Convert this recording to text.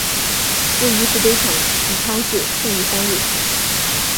位于湖北省宜昌市胜利三路。